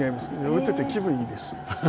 打ってて気分がいいです。